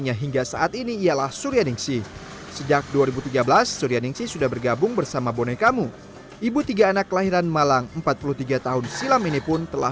nah kalau disini sendiri omsetnya berapa sih per bulan